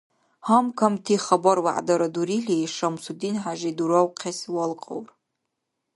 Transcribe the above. Кам-гьамти хабар-вягӀдара дурили, ШамсудинхӀяжи дуравхъес валкьаур.